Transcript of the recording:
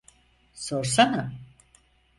Sorsana!